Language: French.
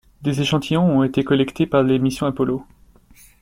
Des échantillons ont été collectés par les missions Apollo.